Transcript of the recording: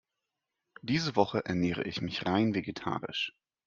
Diese Woche ernähre ich mich rein vegetarisch.